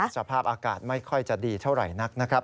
สภาพอากาศไม่ค่อยจะดีเท่าไหร่นักนะครับ